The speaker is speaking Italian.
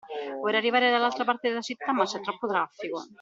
Vorrei arrivare dall'altra parte della città, ma c'è troppo traffico.